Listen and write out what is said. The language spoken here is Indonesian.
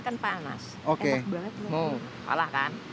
kan panas enak banget